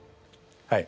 はい。